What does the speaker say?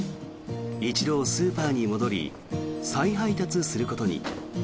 一度、スーパーに戻り再配達することに。